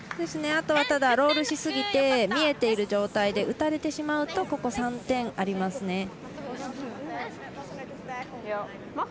あとはただロールしすぎて見えている状態で打たれてしまうとここ３点ありますね。